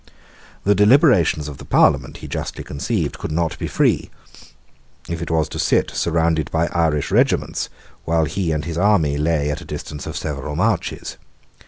The deliberations of the Parliament, he justly conceived, could not be free if it was to sit surrounded by Irish regiments while he and his army lay at a distance of several marches.